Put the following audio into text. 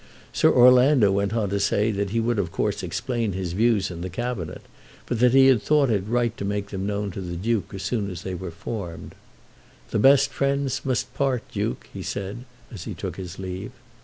Sir Orlando went on to say that he would of course explain his views in the Cabinet, but that he had thought it right to make them known to the Duke as soon as they were formed. "The best friends must part, Duke," he said as he took his leave.